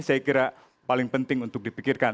saya kira paling penting untuk dipikirkan